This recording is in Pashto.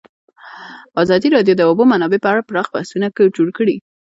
ازادي راډیو د د اوبو منابع په اړه پراخ بحثونه جوړ کړي.